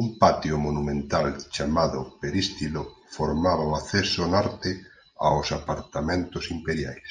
Un patio monumental chamado Perístilo formaba o acceso norte aos apartamentos imperiais.